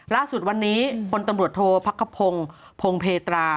ล่าสุดวันนี้พลตำรวจโทษพักขพงศ์พงเพตรา